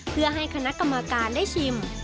ที่คณะกรรมการได้ชิม